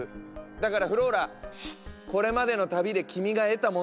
だからフローラこれまでの旅で君が得たもの。